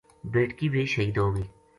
بیٹکی بے شہید ہو گئی